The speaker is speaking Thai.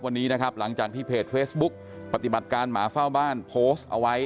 วันนี้นะครับหลังจากที่เพจเฟซบุ๊กปฏิบัติการหมาเฝ้าบ้านโพสต์เอาไว้